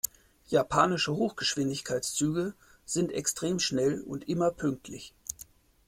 Japanische Hochgeschwindigkeitszüge sind extrem schnell und immer pünktlich.